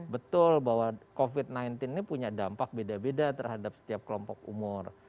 betul bahwa covid sembilan belas ini punya dampak beda beda terhadap setiap kelompok umur